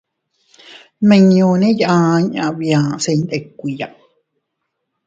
Nmiñune yaa inña bia se iyndikuiya.